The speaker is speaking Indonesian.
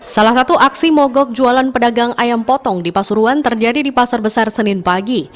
salah satu aksi mogok jualan pedagang ayam potong di pasuruan terjadi di pasar besar senin pagi